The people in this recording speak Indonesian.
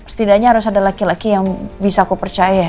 setidaknya harus ada laki laki yang bisa aku percaya